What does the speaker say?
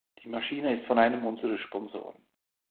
Die Maschine ist von einem unserer Sponsoren.